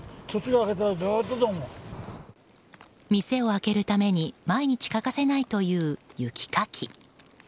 店を開けるために毎日欠かせないという雪かき。